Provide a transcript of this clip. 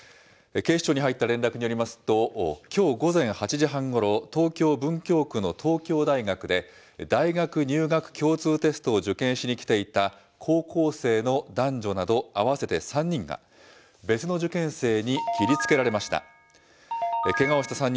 警視庁に入った連絡によりますと、きょう午前８時半ごろ、東京・文京区の東京大学で、大学入学共通テストを受験しに来ていた高校生の男女など合わせて３人が、別の受験生に切りつけられました。